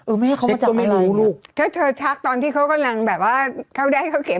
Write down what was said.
เออแม่เขามาจากไหนไงถ้าเธอทักตอนที่เขากำลังแบบว่าเข้าได้เข้าเข็ม